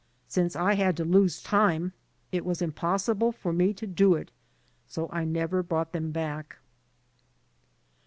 Since I had to lose time, it was impossible for me to do it, so I never brought them back."